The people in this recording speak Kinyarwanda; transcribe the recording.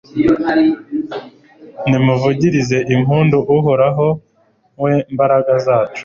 Nimuvugirize impundu Uhoraho we mbaraga zacu